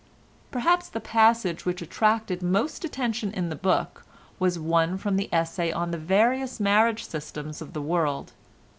Perhaps the passage which attracted most attention in the book was one from the essay on the various marriage systems of the world.